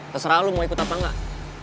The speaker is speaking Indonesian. terserah lo mau ikut apa enggak